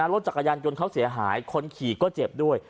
รถจักรยานยนต์เขาเสียหายคนขี่ก็เจ็บด้วย